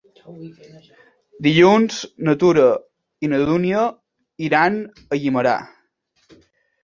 Dilluns na Tura i na Dúnia iran a Guimerà.